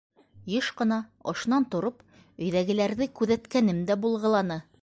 Йыш ҡына ошонан тороп өйҙәгеләрҙе күҙәткәнем дә булғыланы.